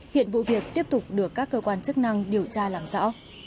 hiện vụ việc tiếp tục được các cơ quan chức năng điều tra làm rõ